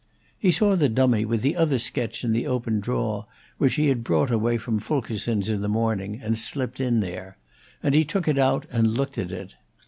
He saw the dummy with the other sketch in the open drawer which he had brought away from Fulkerson's in the morning and slipped in there, and he took it out and looked at it.